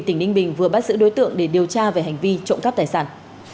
tỉnh ninh bình vừa bắt giữ đối tượng để điều tra về hành vi trộm cắp tài sản